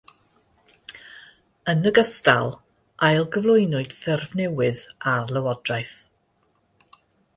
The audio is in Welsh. Yn ogystal, ailgyflwynwyd ffurf newydd ar lywodraeth.